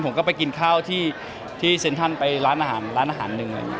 ผมก็ไปกินข้าวที่เซ็นทันไปร้านอาหารหนึ่ง